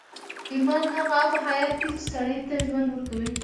ايمان هغه آب حيات دی چې سړي ته ژوند ورکوي.